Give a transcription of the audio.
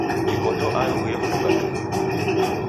Ikoto aighu yefunga tumu.